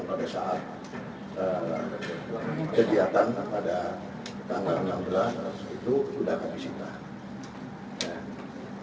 pada saat kegiatan pada tanggal enam belas itu sudah kami simpan